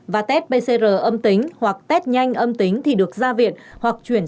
và test pcr âm tính hoặc test nhanh âm tính thì được ra viện